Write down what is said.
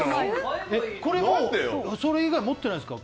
それ以外、持っていないんですか。